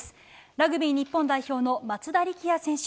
ラグビー日本代表の松田力也選手。